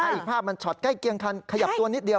อีกภาพมันช็อตใกล้เคียงคันขยับตัวนิดเดียว